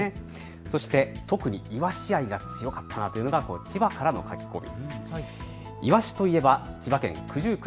そして特にイワシ愛が強かったなというのが千葉からの書き込み。